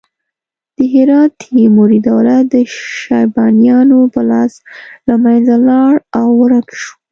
د هرات تیموري دولت د شیبانیانو په لاس له منځه لاړ او ورک شو.